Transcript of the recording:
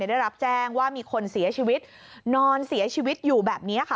ได้รับแจ้งว่ามีคนเสียชีวิตนอนเสียชีวิตอยู่แบบนี้ค่ะ